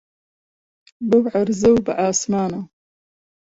بەو عەرزە و بە عاسمانە